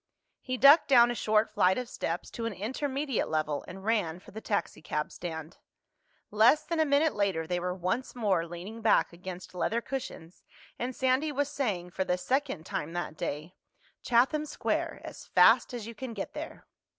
He ducked down a short flight of steps to an intermediate level and ran for the taxicab stand. Less than a minute later they were once more leaning back against leather cushions and Sandy was saying, for the second time that day, "Chatham Square—as fast as you can get there."